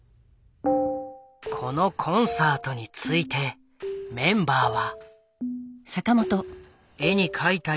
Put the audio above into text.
このコンサートについてメンバーは。